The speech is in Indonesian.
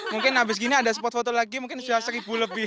mungkin habis gini ada spot foto lagi mungkin sudah seribu lebih